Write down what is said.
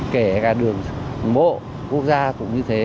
kể cả đường mộ quốc gia cũng như thế